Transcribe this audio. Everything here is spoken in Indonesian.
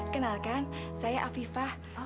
kenalkan saya afifah